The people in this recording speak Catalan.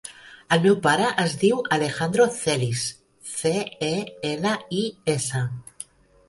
El meu pare es diu Alejandro Celis: ce, e, ela, i, essa.